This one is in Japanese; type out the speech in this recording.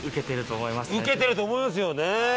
受けてると思いますよね。